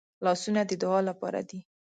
لاسونه د دعا لپاره دي